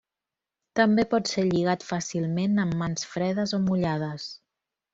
També pot ser lligat fàcilment amb mans fredes o mullades.